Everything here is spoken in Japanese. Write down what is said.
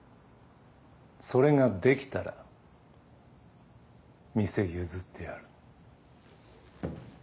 それができたら店譲ってやる。